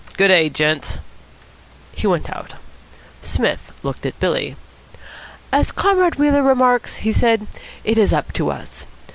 Good day, gents." He went out. Psmith looked at Billy. "As Comrade Wheeler remarks," he said, "it is up to us.